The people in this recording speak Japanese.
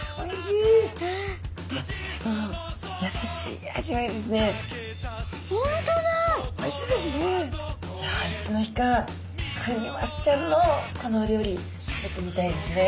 いやいつの日かクニマスちゃんのこのお料理食べてみたいですね。